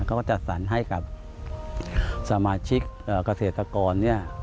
เขาก็จัดสรรให้กับสมาชิกเกษตรกรเนี่ย